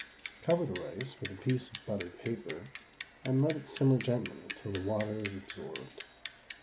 Cover the rice with a piece of buttered paper and let it simmer gently until the water is absorbed.